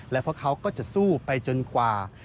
และพวกเขาก็จะสู้ไปจนกว่า